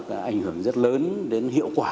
cái ảnh hưởng rất lớn đến hiệu quả